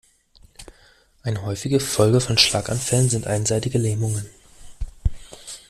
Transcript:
Eine häufige Folge von Schlaganfällen sind einseitige Lähmungen.